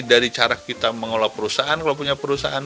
dari cara kita mengelola perusahaan kalau punya perusahaan